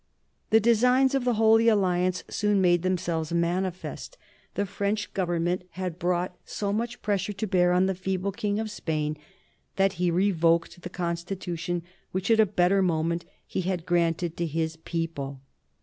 The designs of the Holy Alliance soon made themselves manifest. The French Government had brought so much pressure to bear on the feeble King of Spain that he revoked the Constitution which, at a better moment, he had granted to his people.